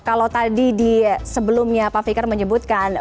kalau tadi di sebelumnya pak fikar menyebutkan